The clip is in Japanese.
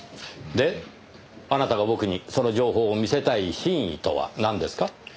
であなたが僕にその情報を見せたい真意とはなんですか？